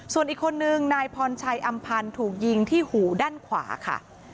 ส่วนอีกคนนึงนายพรชัยอำพันธ์ถูกยิงที่หูด้านขวาค่ะ